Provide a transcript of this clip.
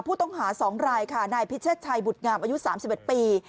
ผู้ต้องหาสองรายค่ะนายพิเศษชัยบุตรงามอายุสามสิบเอ็ดปี